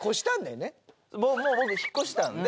もう僕引っ越したんで。